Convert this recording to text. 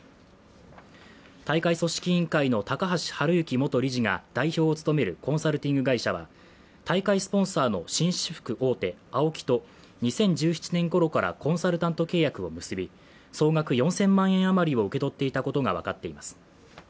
大会組織委員会の高橋治之元理事が代表を務めるコンサルティング会社は、大会スポンサーの紳士服大手ＡＯＫＩと２０１７年ごろからコンサルタント契約を結び、総額４０００万円あまりを受け取っていたことが分かっています。